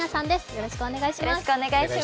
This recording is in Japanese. よろしくお願いします。